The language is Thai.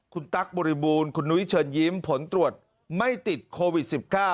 คุณตั๊กบริบูรณ์คุณนุ้ยเชิญยิ้มผลตรวจไม่ติดโควิด๑๙